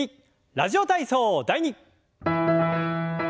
「ラジオ体操第２」。